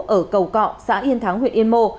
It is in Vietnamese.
ở cầu cọ xã yên thắng huyện yên mô